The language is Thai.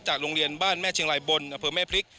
โรงเรียนบ้านแม่เชียงรายบนอำเภอแม่พริก